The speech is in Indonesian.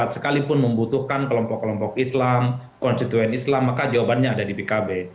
sekalipun membutuhkan kelompok kelompok islam konstituen islam maka jawabannya ada di pkb